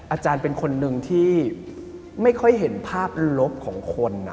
อาจารย์เป็นคนหนึ่งที่ไม่ค่อยเห็นภาพลบของคน